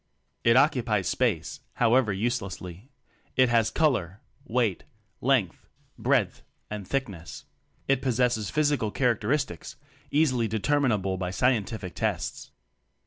It occupies space (however uselessly) ; it has color, weight, length, breadth and thickness, it possesses physical char acteristics easily determinable by scientific tests.